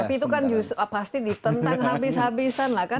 tapi itu kan pasti ditentang habis habisan lah kan